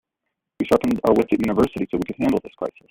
We sharpened our wits at university so we could handle this crisis.